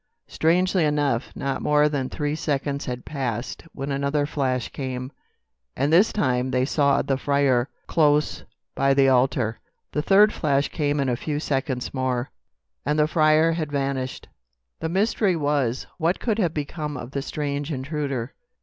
Strangely enough, not more than three seconds had passed when another flash came, and this time they saw the friar close by the altar. The third flash came in a few seconds more, and the friar had vanished. "The mystery was, what could have become of the strange intruder?